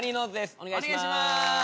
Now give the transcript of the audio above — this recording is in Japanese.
お願いします。